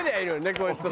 こいつら。